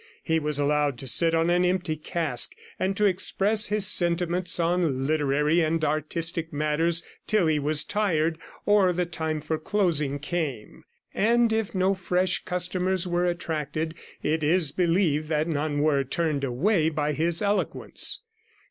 He was allowed to sit on an empty cask, and to express his sentiments on literary and artistic matters till he was tired, or the time for closing came; and if no fresh customers were attracted, it is believed that none were turned away by his eloquence.